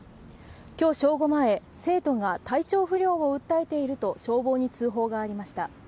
今日正午前、生徒が体調不良を訴えていると消防に通報がありました。